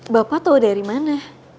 bapak tahu dari mana